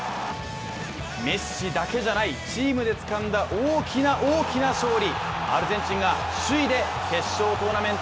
メッシだけじゃない、チームでつかんだ大きな大きな勝利。